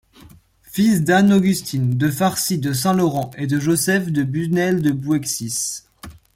Fils d'Anne Augustine de Farcy de Saint-Laurent et de Joseph de Busnel du Bouëxis.